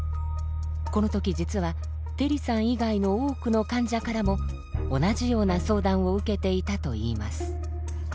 この時実はテリさん以外の多くの患者からも同じような相談を受けていたといいます。